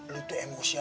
lo tuh emosiak ya